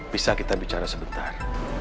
bisa kita bicara sebentar